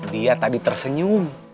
dia tadi tersenyum